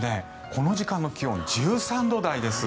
この時間の気温１３度台です。